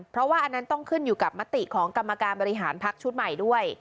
เพราะว่าอันนั้นต้องขึ้นอยู่กับมติของกรรมการบริหารพักชุดใหม่ด้วย